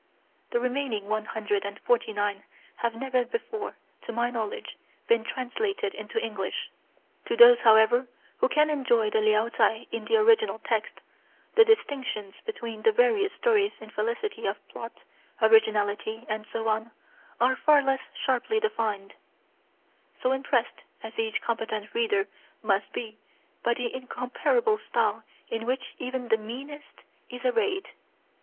The remain ing one hundred and forty nine have never before, to my knowledge, been translated into English. To those, however, who can enjoy the Liao Chai in the original text, the distinctions between the various stories of felicity in plot, originality, and so on, are far less sharply defined, so impressed as each competent reader must be by the incompar able style in which even the meanest is arrayed.